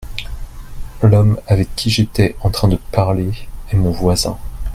L'homme avec qui j'étais en train de parler est mon voisin.